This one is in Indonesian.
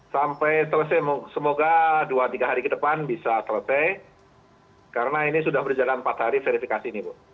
sampai selesai semoga dua tiga hari ke depan bisa selesai karena ini sudah berjalan empat hari verifikasi ini bu